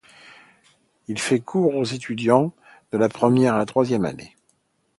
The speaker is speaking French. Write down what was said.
Il y fait cours aux étudiants de la première à la troisième année.